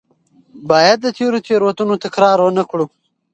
باید د تېرو تېروتنو تکرار ونه کړو.